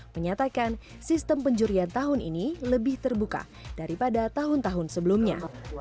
menyatakan sistem penjurian tahun ini lebih terbuka daripada tahun tahun sebelumnya